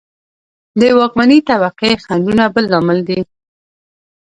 د واکمنې طبقې خنډونه بل لامل دی